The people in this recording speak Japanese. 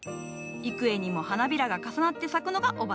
幾重にも花びらが重なって咲くのが雄花。